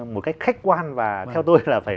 một cách khách quan và theo tôi là phải